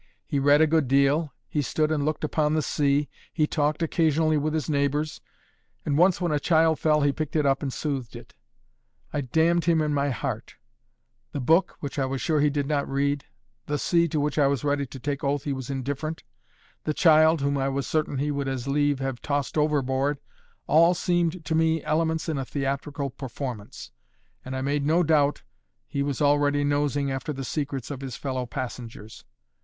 He read a good deal, he stood and looked upon the sea, he talked occasionally with his neighbours, and once when a child fell he picked it up and soothed it. I damned him in my heart; the book, which I was sure he did not read the sea, to which I was ready to take oath he was indifferent the child, whom I was certain he would as lieve have tossed overboard all seemed to me elements in a theatrical performance; and I made no doubt he was already nosing after the secrets of his fellow passengers.